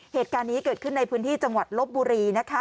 เหตุการณ์นี้เกิดขึ้นในพื้นที่จังหวัดลบบุรีนะคะ